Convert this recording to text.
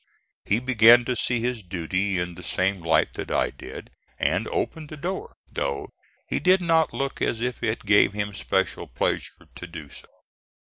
He began to see his duty in the same light that I did, and opened the door, though he did not look as if it gave him special pleasure to do so.